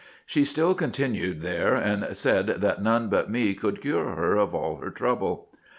She still continued there, and said, that none but me could cure her of all her trouble.